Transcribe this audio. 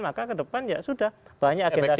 maka kedepan ya sudah banyak agenda agenda